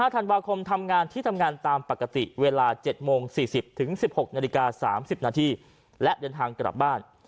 ธันวาคมทำงานที่ทำงานตามปกติเวลา๗โมง๔๐๑๖นาฬิกา๓๐นาทีและเดินทางกลับบ้าน